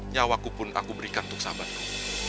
nyawaku pun aku berikan untuk sahabatku